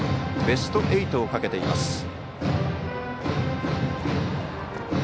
ベスト８をかけています。